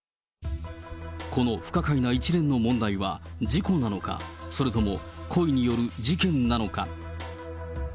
この不可解な一連の問題は事故なのか、それとも故意による事件なのか。